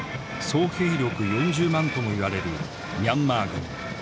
総兵力４０万ともいわれるミャンマー軍。